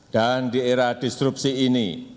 di era disrupsi ini